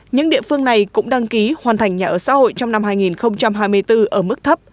những địa phương này cũng đăng ký hoàn thành nhà ở xã hội trong năm hai nghìn hai mươi bốn ở mức thấp